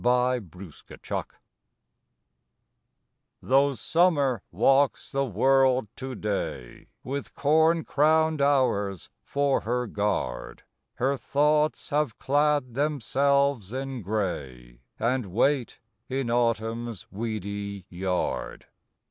A DARK DAY Though Summer walks the world to day With corn crowned hours for her guard, Her thoughts have clad themselves in gray, And wait in Autumn's weedy yard.